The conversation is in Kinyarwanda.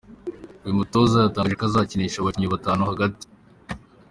Uyu mutoza yatangaje ko azakinisha abakinnyi batanu hagati.